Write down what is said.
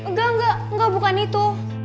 engga engga bukan itu